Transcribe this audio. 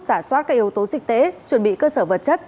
giả soát các yếu tố dịch tễ chuẩn bị cơ sở vật chất